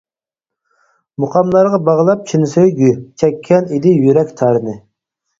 مۇقاملارغا باغلاپ چىن سۆيگۈ، چەككەن ئىدى يۈرەك تارىنى.